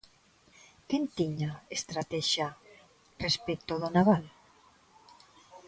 ¿Quen tiña estratexia respecto do naval?